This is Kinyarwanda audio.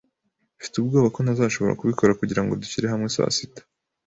Mfite ubwoba ko ntazashobora kubikora kugirango dushyire hamwe saa sita.